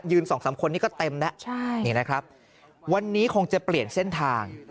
สองสามคนนี้ก็เต็มแล้วใช่นี่นะครับวันนี้คงจะเปลี่ยนเส้นทาง